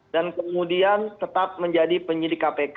dan kemudian tetap menjadi penyidik kpk